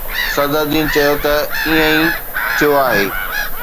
صدرالدين چيو ته ائين ئي ٿيو آهي.